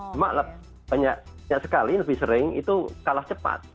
cuma banyak sekali lebih sering itu kalah cepat